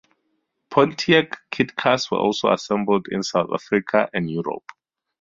Pontiac "kit cars" were also assembled in South Africa and Europe.